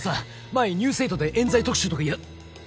前「ニュース８」でえん罪特集とか。